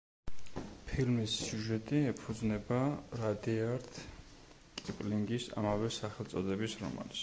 ფილმის სიუჟეტი ეფუძნება რადიარდ კიპლინგის ამავე სახელწოდების რომანს.